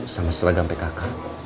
sama seragam pkk